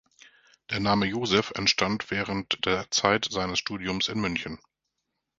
Der Name Josef entstand während der Zeit seines Studiums in München.